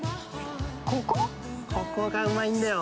ここがうまいんだよ！